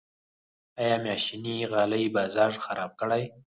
آیا ماشیني غالۍ بازار خراب کړی؟